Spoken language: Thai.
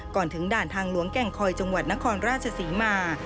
ก่อนถึงด่านทางหลวงแก่งคอยจังหวัดนครราชศรีมา